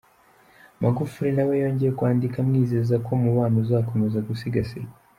Magufuli nawe yongeye kwandika amwizeza ko umubano uzakomeza gusigasirwa.